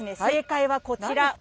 正解はこちら。